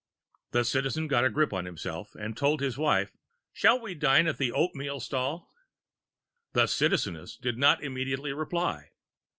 The Citizen got a grip on himself and told his wife: "We shall dine at the oatmeal stall." The Citizeness did not immediately reply.